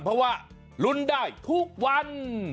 เพราะว่าลุ้นได้ทุกวัน